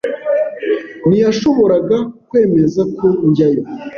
Ntiyashoboraga kwemeza ko njyayo.